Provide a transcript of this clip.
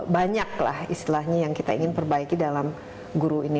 banyaklah istilahnya yang kita ingin perbaiki dalam guru ini